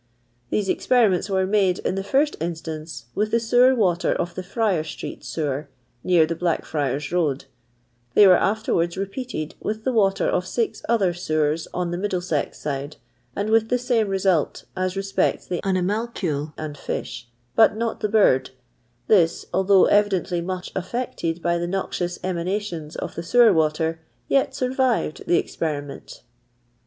These experiments were made, in the first instance, with the sewer water of the Friar street sewer (near the Blackfriars road) ; they were afterwards repeated with the water of six other sewers on the Middlesex side, and with the same result, as respects the animal cuke and fish, but not the bird ; this, although evidently much affected by the noxious emanations of the sewer water, yet survived the experiment."